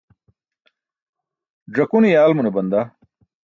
Ẓakune yaalmune banda.